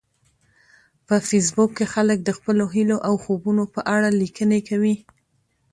په فېسبوک کې خلک د خپلو هیلو او خوبونو په اړه لیکنې کوي